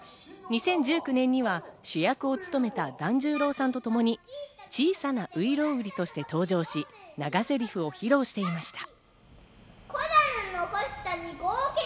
２０１９年には主役を務めた團十郎さんとともに小さな外郎売として登場し、長ゼリフを披露していました。